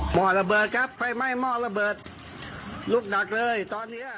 ห้อระเบิดครับไฟไหม้หม้อระเบิดลุกหนักเลยตอนเนี้ย